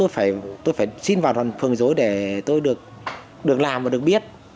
phải xin vào phường dối để tôi được làm và được biết